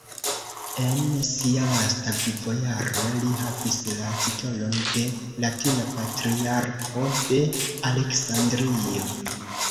En sia lasta vivojaro li havis la titolon de "Latina Patriarko de Aleksandrio".